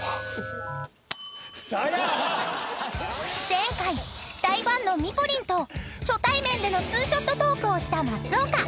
［前回大ファンのミポリンと初対面でのツーショットトークをした松岡］